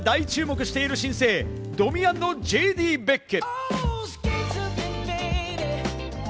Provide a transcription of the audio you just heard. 今、世界が大注目している新星、ドミ＆ＪＤ・ベック。